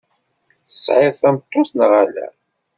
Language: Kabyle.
Tesɛiḍ tameṭṭut neɣ ala?